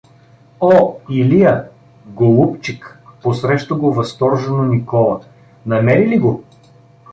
— О, Илия! Голубчик! — посреща го възторжено Никола. — Намери ли го?